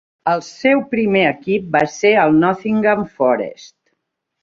El seu primer equip va ser el Nottingham Forest.